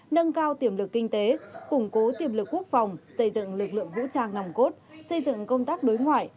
nâng cao tiềm lực kinh tế củng cố tiềm lực quốc phòng xây dựng lực lượng vũ trang nòng cốt xây dựng công tác đối ngoại